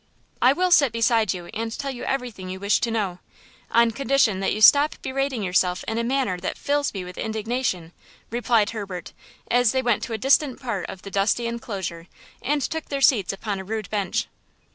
"I will sit beside you and tell you everything you wish to know, on condition that you stop berating yourself in a manner that fills me with indignation," replied Herbert, as they went to a distant part of the dusty enclosure and took their seats upon a rude bench.